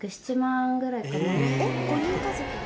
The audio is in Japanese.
えっ５人家族で？